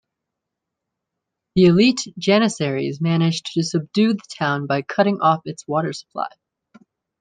The elite Janissaries managed to subdue the town by cutting off its water supply.